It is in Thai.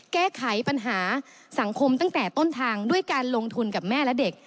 แก้ไขปัญหาสังคมตั้งแต่ต้นทางด้วยการลงทุนกับแม่และเด็ก